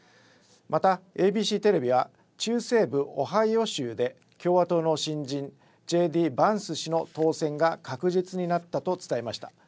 またＡＢＣテレビは中西部オハイオ州で共和党の新人、Ｊ・Ｄ・バンス氏の当選が確実になったと伝えました。